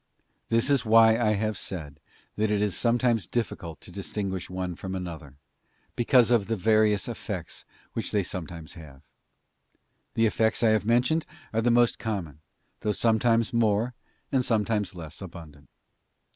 This is why I bave said that it is sometimes difficult to distinguish one from another, because of the various effects which they sometimes have. The effects I have mentioned are the most common, though sometimes more, and sometimes less abundant.